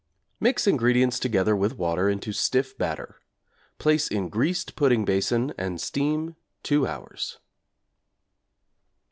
Mix ingredients together with water into stiff batter; place in greased pudding basin and steam 2 hours.